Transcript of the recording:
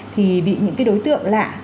thì bị những cái đối tượng lạ